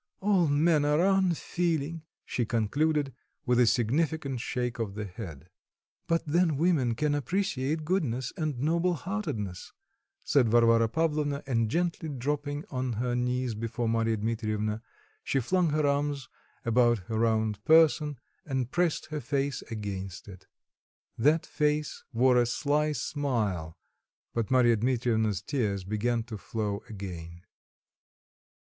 All men are unfeeling," she concluded, with a significant shake of the head. "But then women can appreciate goodness and noble heartedness," said Varvara Pavlovna, and gently dropping on her knees before Marya Dmitrievna, she flung her arms about her round person, and pressed her face against it. That face wore a sly smile, but Marya Dmitrievna's tears began to flow again.